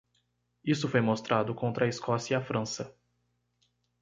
Isso foi mostrado contra a Escócia e a França.